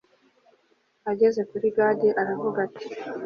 ageze kuri gadi, aravuga ati